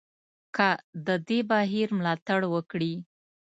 که د دې بهیر ملاتړ وکړي.